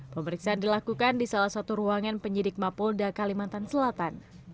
pemeriksaan dilakukan di salah satu ruangan penyidik mapolda kalimantan selatan